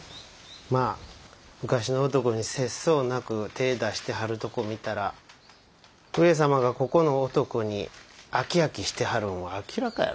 まぁ昔の男に節操なく手ぇ出してはるとこ見たら上様がここの男に飽き飽きしてはるんは明らかやろ？